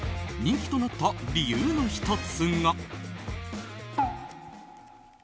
人気となった理由の１つが。